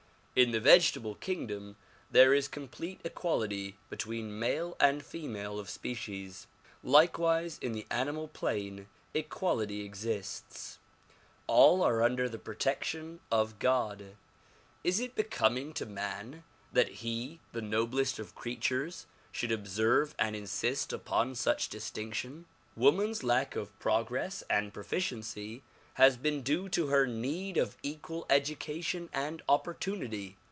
In the vegetable kingdom there is complete equality between male and female of species. Likewise in the animal plane equality exists ; all are under the protection of God. Is it becoming to man that he the noblest of creatures should observe and insist upon such distinction? Woman's lack of progress and proficiency has been due to her need of equal education and opportunity.